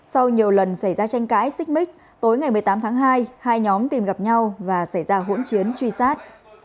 sau nhiều lần xảy ra tranh cãi xích mích tối ngày một mươi tám tháng hai hai nhóm tìm gặp nhau và xảy ra hỗn chiến truy sát